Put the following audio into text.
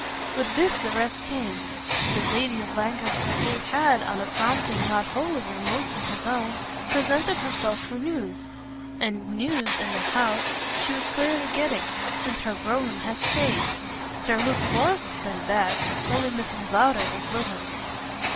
With this the rest came: the lady of Lancaster Gate had, on a prompting not wholly remote from his own, presented herself for news; and news, in the house, she was clearly getting, since her brougham had stayed. Sir Luke WAS then back only Mrs. Lowder was with him.